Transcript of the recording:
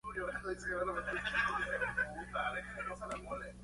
Estudió leyes en la Universidad de Viena durante dos años pero no logró graduarse.